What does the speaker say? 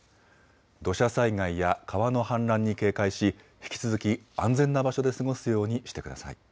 土砂災害や川の氾濫に警戒し引き続き安全な場所で過ごすようにしてください。